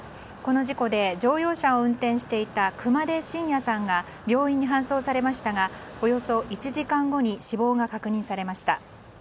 この事故で乗用車を運転していた熊手信也さんが病院に搬送されましたがおよそ１時間後に死亡が確認されました。